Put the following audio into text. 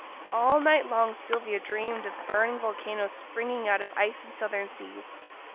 All night long Sylvia dreamed of burning volcanoes springing out of icy southern seas.